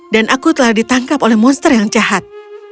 dan aku telah ditangkap oleh monster yang jahat